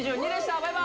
バイバイ！